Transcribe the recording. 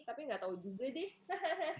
tapi nggak tahu juga deh